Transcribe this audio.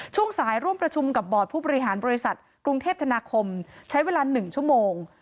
ช่วงสายร่วมประชุมกับบอร์ดผู้บริหารบริษัทกรุงเทพธนาคมใช้เวลา๑ชั่วโมง